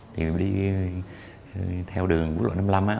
thì đi theo đường bú lộ năm mươi năm